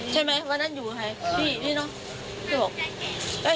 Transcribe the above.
ใช่ไหมว่านั้นอยู่ใคร